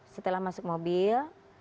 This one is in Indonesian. setelah masuk mobil